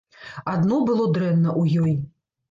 Адно было дрэнна ў ёй.